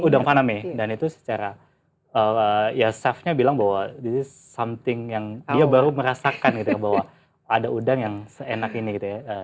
udang faname dan itu secara ya selfnya bilang bahwa this something yang dia baru merasakan gitu ya bahwa ada udang yang seenak ini gitu ya